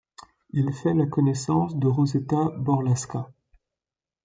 Il fait la connaissance de Rosetta Borlasca.